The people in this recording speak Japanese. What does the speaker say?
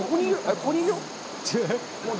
ここにいるよ。